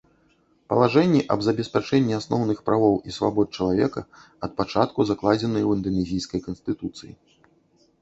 Палажэнні аб забеспячэнні асноўных правоў і свабод чалавека ад пачатку закладзеныя ў інданезійскай канстытуцыі.